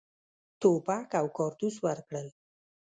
توپک او کارتوس ورکړل.